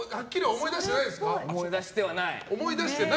思い出してはない。